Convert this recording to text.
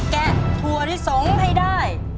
แกะทัวร์ที่สองให้ได้